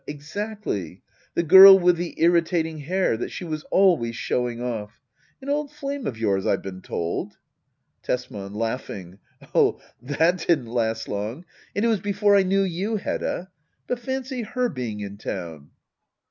Exactly. The girl with the irritating hair, that she was always showing off. An old flame of yours^ I've been told. Tesman. Oh^ that didn't last long ; and it was before I knew you^ Hedda. But fancy her being in town